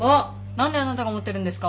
何であなたが持ってるんですか？